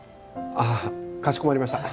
あかしこまりました。